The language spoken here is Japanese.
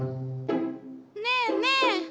ねえねえ？